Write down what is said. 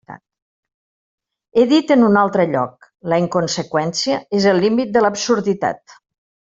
He dit en un altre lloc: la inconseqüència és el límit de l'absurditat.